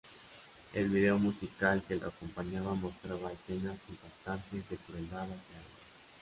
El vídeo musical que lo acompañaba mostraba escenas impactantes de crueldad hacia ellos.